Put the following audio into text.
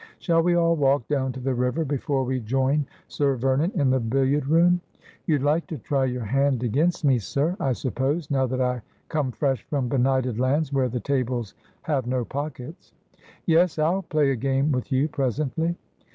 ' Shall we all walk down to the river, before we join Sir Vernon in the billiard room ? You'd like to try your hand against me, sir, I suppose, now that I come fresh from benighted lands where the tables have no pockets.' ' Yes ; I'll play a game with you presently.'